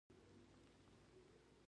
څنګه کولی شم د حج لپاره تیاری وکړم